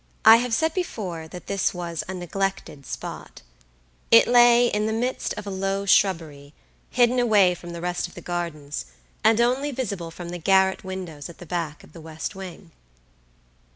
I have said before that this was a neglected spot; it lay in the midst of a low shrubbery, hidden away from the rest of the gardens, and only visible from the garret windows at the back of the west wing.